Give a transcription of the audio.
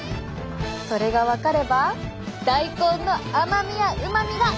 それが分かれば大根の甘みやうまみが。